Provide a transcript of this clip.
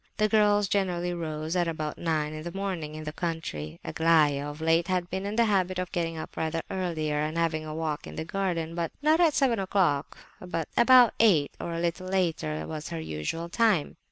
The girls generally rose at about nine in the morning in the country; Aglaya, of late, had been in the habit of getting up rather earlier and having a walk in the garden, but not at seven o'clock; about eight or a little later was her usual time.